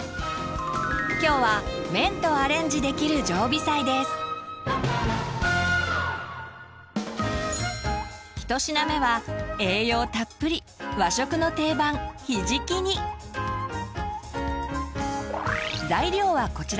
今日は１品目は栄養たっぷり和食の定番材料はこちら。